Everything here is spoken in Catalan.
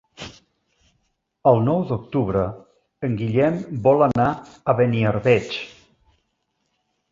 El nou d'octubre en Guillem vol anar a Beniarbeig.